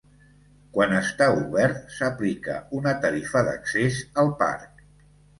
Quan està obert, s'aplica una tarifa d'accés al parc.